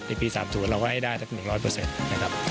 ในปี๒๐๓๐เราว่าให้ได้จะเป็น๑๐๐นะครับ